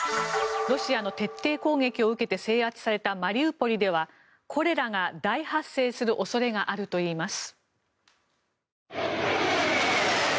ロシアの徹底攻撃を受けて制圧されたマリウポリではコレラが大発生する恐れがあるといいます。